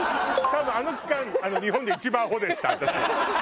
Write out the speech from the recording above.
多分あの期間日本で一番アホでした私。